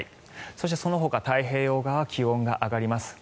そして、そのほか太平洋側は気温が上がります。